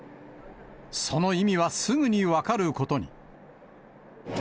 その意味はすぐに分かることに。